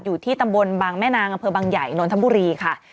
อยู่ที่ตำบลบางแม่นางอำเภอบางใหญ่นนทบุรีค่ะ